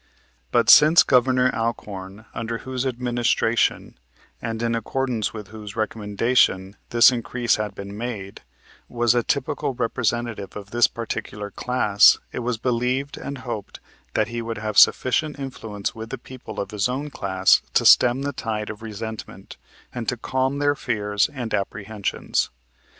But since Governor Alcorn, under whose administration, and in accordance with whose recommendation this increase had been made, was a typical representative of this particular class, it was believed and hoped that he would have sufficient influence with the people of his own class to stem the tide of resentment, and to calm their fears and apprehensions.